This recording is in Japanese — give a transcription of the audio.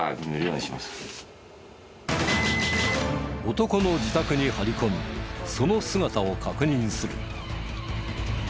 男の自宅に張り込みその姿を確認する。